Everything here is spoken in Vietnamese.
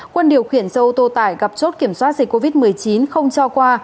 quân điều khiển dâu tô tải gặp chốt kiểm soát dịch covid một mươi chín không cho qua